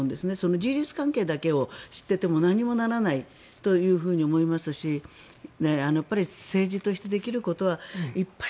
事実関係だけを知っていても何もならないと思いますし政治としてできることはいっぱい